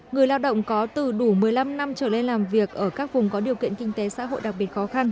người lao động có từ đủ một mươi năm năm trở lên làm việc ở các vùng có điều kiện kinh tế xã hội đặc biệt khó khăn